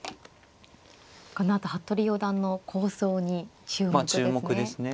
このあと服部四段の構想に注目ですね。